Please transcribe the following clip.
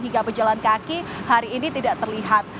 hingga pejalan kaki hari ini tidak terlihat